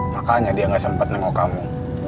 makanya dia gak sempat nengok kamu